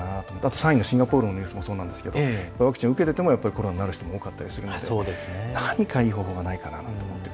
３位のシンガポールのニュースもそうなんですけれどもワクチンを受けていてもコロナになる人が多かったりするので何かいい方法がないかなと。